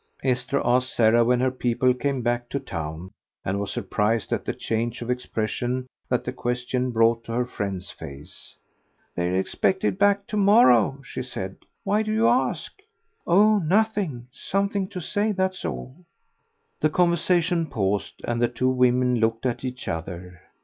Esther asked Sarah when her people came back to town, and was surprised at the change of expression that the question brought to her friend's face. "They're expected back to morrow," she said. "Why do you ask?" "Oh, nothing; something to say, that's all." The conversation paused, and the two women looked at each other.